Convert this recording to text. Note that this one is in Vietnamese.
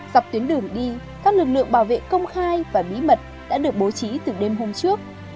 dọc tuyến đường đi các lực lượng bảo vệ công khai và bí mật đã được bố trí từ đêm hôm trước